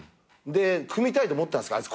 組みたいと思ったんですけど